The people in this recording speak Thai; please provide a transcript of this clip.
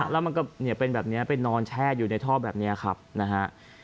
แล้วมันก็เป็นแบบนี้ไปนอนแช่อยู่ในท่อแบบนี้ครับนะฮะ